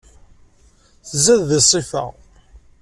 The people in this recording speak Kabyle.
Tzad di ṣṣifa.